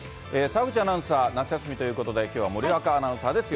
澤口アナウンサー、夏休みということで、きょうは森若アナウンサーです。